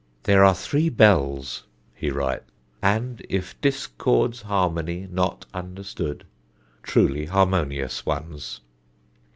"There are three bells," he writes, "and 'if discord's harmony not understood,' truly harmonious ones."